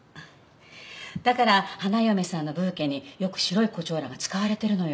だから花嫁さんのブーケによく白い胡蝶蘭が使われてるのよ。